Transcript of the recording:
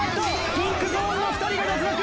ピンクゾーンの２人が脱落！